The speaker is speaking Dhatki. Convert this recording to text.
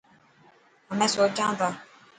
همين سوچان تا.